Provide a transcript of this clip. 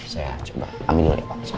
saya coba ambil dulu ya pak